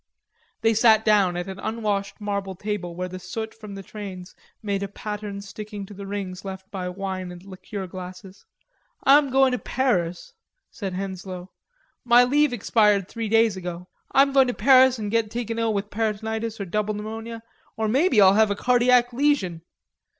They sat down at an unwashed marble table where the soot from the trains made a pattern sticking to the rings left by wine and liqueur glasses. "I'm going to Paris," said Henslowe. "My leave expired three days ago. I'm going to Paris and get taken ill with peritonitis or double pneumonia, or maybe I'll have a cardiac lesion....